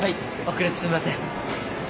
遅れてすみません。